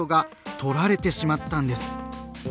とられてしまったんです。